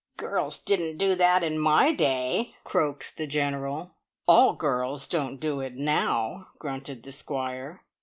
"Girls didn't do that in my day!" croaked the General. "All girls don't do it now!" grunted the Squire.